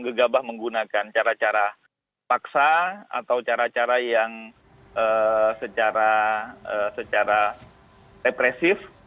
gegabah menggunakan cara cara paksa atau cara cara yang secara represif